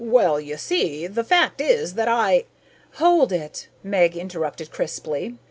"Well, you see, the fact is that I...." "Hold it," Meg interrupted crisply.